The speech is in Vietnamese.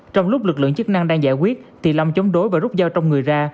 trong lúc lực lượng chức năng đang giải quyết thì long chống đối và rút dao trong người ra